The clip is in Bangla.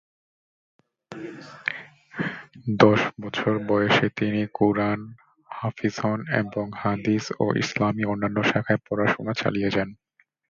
দশ বছর বয়সে তিনি কুরআন হাফিজ হন এবং হাদিস ও ইসলামি অন্যান্য শাখায় পড়াশোনা চালিয়ে যান।